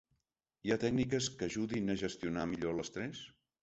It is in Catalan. Hi ha tècniques que ajudin a gestionar millor l’estrès?